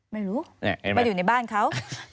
ไม่รู้มาอยู่ในบ้านเขา